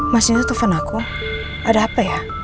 mas nino telfon aku ada apa ya